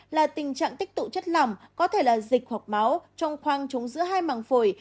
là tình trạng tích tụ chất lòng có thể là dịch hoặc máu trong khoang chống giữa hai măng phổi